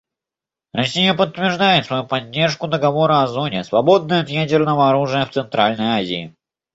Россия подтверждает свою поддержку Договора о зоне, свободной от ядерного оружия, в Центральной Азии.